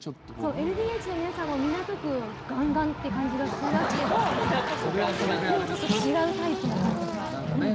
ＬＤＨの皆さんは港区ガンガンって感じがしますけどちょっと違うタイプな感じが。